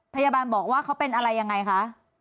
พยาบาลบอกว่าเขาเป็นอะไรยังไงคะ